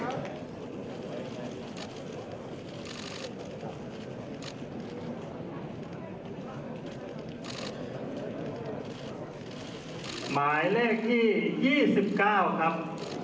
หมายแรกที่ยี่สิบเก้าครับ